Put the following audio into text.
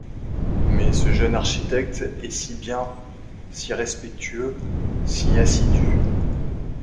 Mais ce jeune architecte est si bien… si respectueux… si assidu…